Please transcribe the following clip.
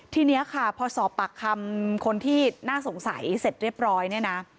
ทีนี้ค่ะพอสอบปากคำคนที่น่าสงสัยเสร็จเรียบร้อยเนี่ยนะ